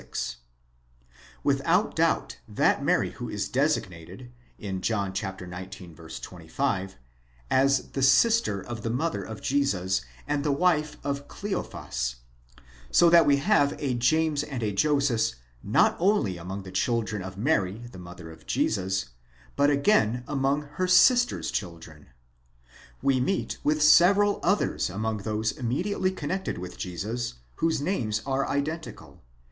56), without doubt that Mary who is designated, John xix. 25, as the sister of the mother of Jesus, and the wife of Cleophas; so that we have a James and a Joses not only among the children of Mary the mother of Jesus, but again among her sister's children. We meet with several others among those immediately connected with Jesus, whose names are identical.